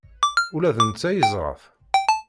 Ula d netta yeẓra-t.